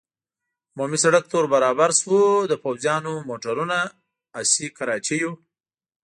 عمومي سړک ته ور برابر شو، د پوځیانو، موټرو، اسي کراچیو.